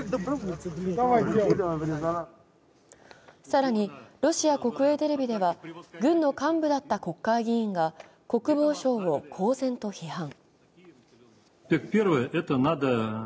更にロシア国営テレビでは軍の幹部だった国会議員が国防省を公然と批判。